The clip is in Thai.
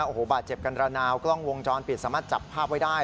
โอ้โหบาดเจ็บกันระนาวกล้องวงจรปิดสามารถจับภาพไว้ได้